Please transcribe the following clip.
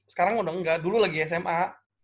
sekarang udah enggak dulu lagi sma